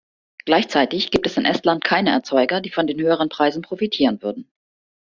Gleichzeitig gibt es in Estland keine Erzeuger, die von den höheren Preisen profitieren würden.